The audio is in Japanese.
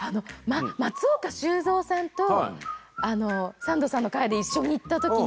「松岡修造さんとあのサンドさんの回で一緒に行った時の」